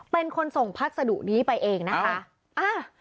เป็นคนส่งพัสดุนี้ไปเองนะคะ